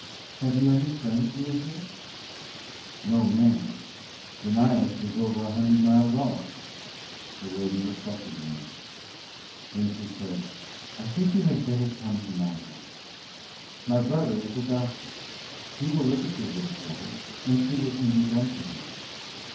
Have you any friends near here?" "No, ma'am. The nighest is over a hundred miles off." The lady reflected a moment. Then she said: "I think you had better come to my house. My brother is a doctor. He will look at your little brother and see what can be done for him."